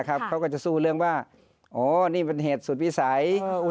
เขาก็จะสู้เรื่องว่าอ๋อนี่เป็นเหตุสุดวิสัย